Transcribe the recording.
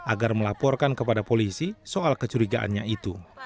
agar melaporkan kepada polisi soal kecurigaannya itu